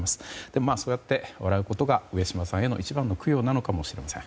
でも、そうやって笑うことが上島さんへの一番の供養なのかもしれません。